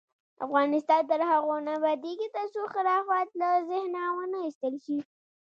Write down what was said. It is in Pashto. افغانستان تر هغو نه ابادیږي، ترڅو خرافات له ذهنه ونه ایستل شي.